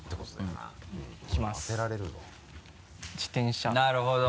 なるほど。